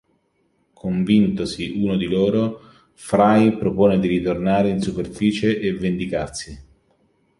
Convintosi uno di loro, Fry propone di ritornare in superficie e vendicarsi.